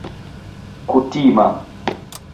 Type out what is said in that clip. kutima